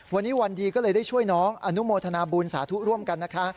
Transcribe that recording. วันนี้วันดีก็เลยได้ช่วยน้องอนุโมทนาบุญสาธุร่วมกันนะคะ